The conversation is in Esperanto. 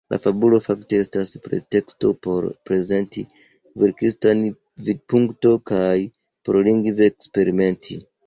La fabulo fakte estas preteksto por prezenti verkistan vidpunkton kaj por lingve eksperimenti.